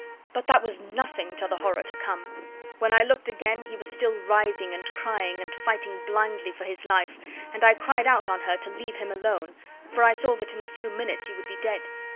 But that was nothing to the horror to come. When I looked again, he was still writhing and crying, and fighting blindly for his life, and I cried out on her to leave him alone, for I saw that in a few minutes he would be dead.